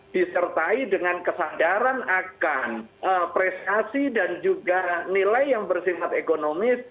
disertai dengan kesadaran akan prestasi dan juga nilai yang bersifat ekonomis